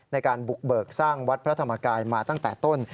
ในการบุกเบิกสร้างวัดพระธรรมกายมาตั้งแต่ต้น